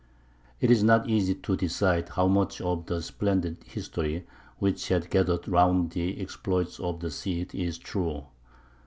It is not easy to decide how much of the splendid history which has gathered round the exploits of the Cid is true.